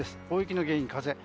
大雪の原因、風。